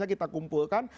jadi kita kumpulkan